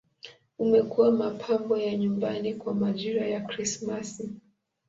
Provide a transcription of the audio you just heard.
Umekuwa mapambo ya nyumbani kwa majira ya Krismasi.